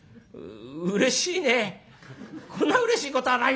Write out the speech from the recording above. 「うれしいねこんなうれしいことはないよ。